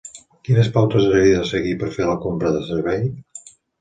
Quines pautes hauria de seguir per fer la compra del servei?